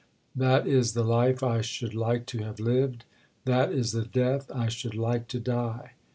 That is the life I should like to have lived. That is the death I should like to die.